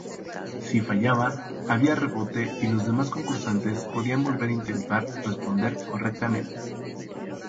Si fallaba, había rebote y los demás concursantes podían volver a intentar responder correctamente.